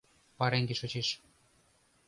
Пареҥге шочеш.